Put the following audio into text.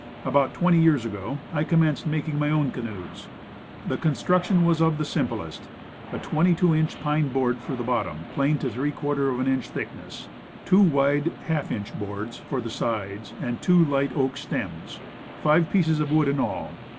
About twenty years ago I commenced making my own canoes. The construction was of the simplest; a 22 inch pine board for the bottom, planed to % of an inch thickness; two wide ^2 inch boards for the sides, and two light oak stems; five pieces of wood in all.